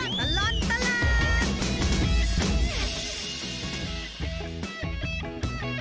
ช่วงตลอดตลาด